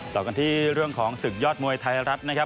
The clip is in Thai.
ต่อกันที่เรื่องของศึกยอดมวยไทยรัฐนะครับ